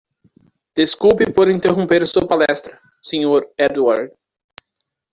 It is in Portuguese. Desculpe por interromper sua palestra?, senhor Edward.